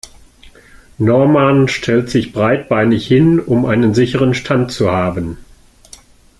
Norman stellte sich breitbeinig hin, um einen sicheren Stand zu haben.